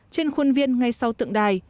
trên khuôn viên ngay sau tượng đài